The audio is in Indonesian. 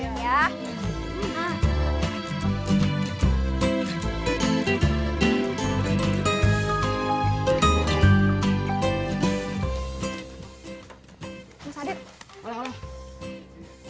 mas adit olah olah